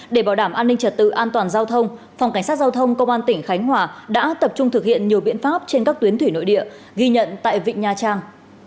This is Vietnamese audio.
để bảo đảm an ninh trật tự an toàn giao thông phòng cảnh sát giao thông công an tỉnh khánh hòa đã tập trung thực hiện nhiều biện pháp trên các tuyến thủy nội địa ghi nhận tại vịnh nha trang